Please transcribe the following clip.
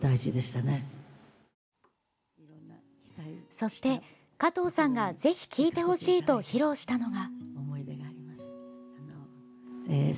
そして加藤さんが、ぜひ聴いてほしいと披露したのが。